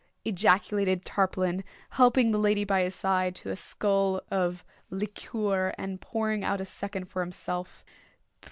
ejaculated Tarpaulin, helping the lady by his side to a skull of liqueur, and pouring out a second for himself.